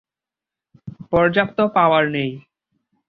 পর্যাপ্ত পাওয়ার নেই।